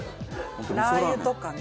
ラー油とかね